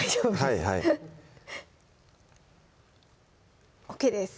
はいはいＯＫです